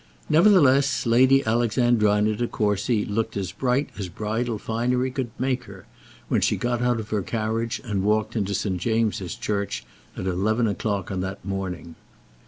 Nevertheless Lady Alexandrina De Courcy looked as bright as bridal finery could make her, when she got out of her carriage and walked into St. James's church at eleven o'clock on that morning.